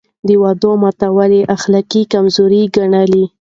د وعدو ماتول يې اخلاقي کمزوري ګڼله.